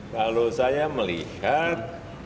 kalau saya melihat